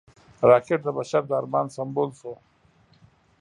راکټ د بشر د ارمان سمبول شو